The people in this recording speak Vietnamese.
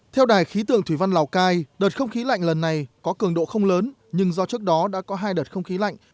theo đài khí tượng thủy văn lào cai đợt không khí lạnh lần này có cường độ không lớn nhưng do trước đó đã có hai đợt không khí lạnh